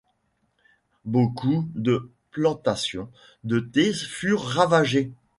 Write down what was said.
Beaucoup de plantations de thé furent ravagées.